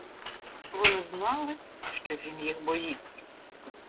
Вони знали, що він їх боїться.